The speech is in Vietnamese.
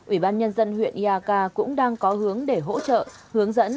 ủy ban nhân dân huyện iak cũng đang có hướng để hỗ trợ hướng dẫn